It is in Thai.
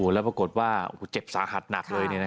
แล้วปรากฏว่าเจ็บสาหัสหนักเลย